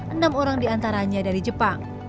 enam orang diantaranya dari jepang